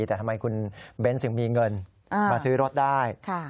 แต่ทำไมคุณเบ้นถึงมีเงินมาซื้อรถได้